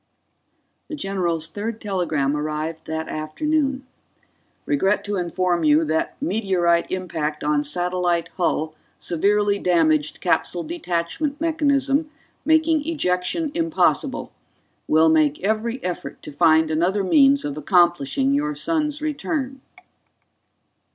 The general's third telegram arrived that afternoon: _Regret to inform you that meteorite impact on satellite hull severely damaged capsule detachment mechanism, making ejection impossible. Will make every effort to find another means of accomplishing your son's return.